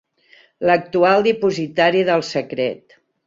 L'actual dipositari del secret.